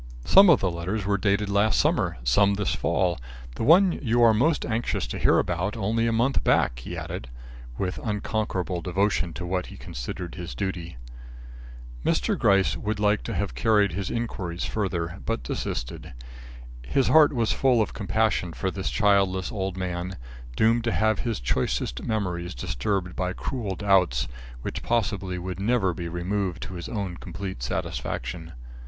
"Some of the letters were dated last summer, some this fall. The one you are most anxious to hear about only a month back," he added, with unconquerable devotion to what he considered his duty. Mr. Gryce would like to have carried his inquiries further, but desisted. His heart was full of compassion for this childless old man, doomed to have his choicest memories disturbed by cruel doubts which possibly would never be removed to his own complete satisfaction.